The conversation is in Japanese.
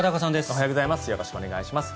おはようございます。